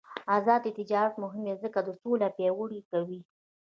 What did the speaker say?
آزاد تجارت مهم دی ځکه چې سوله پیاوړې کوي.